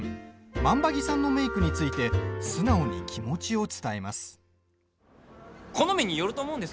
万場木さんのメイクについて素直に気持ちを伝えます。